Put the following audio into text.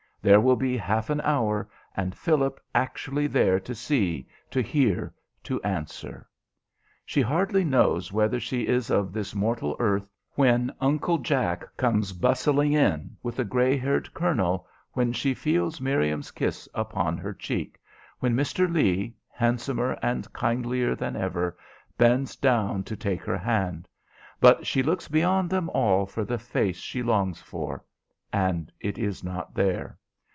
There will be half an hour, and Philip actually there to see, to hear, to answer. She hardly knows whether she is of this mortal earth when Uncle Jack comes bustling in with the gray haired colonel, when she feels Miriam's kiss upon her cheek, when Mr. Lee, handsomer and kindlier than ever, bends down to take her hand; but she looks beyond them all for the face she longs for, and it is not there.